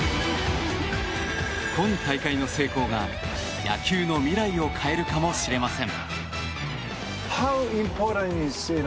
今大会の成功が、野球の未来を変えるかもしれません。